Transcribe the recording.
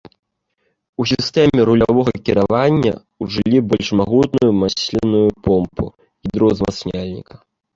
У сістэме рулявога кіравання ўжылі больш магутную масленую помпу гідраўзмацняльніка.